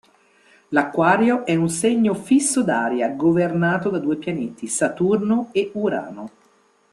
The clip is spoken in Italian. L'Aquario è un segno fisso d'aria, governato da due pianeti, Saturno e Urano.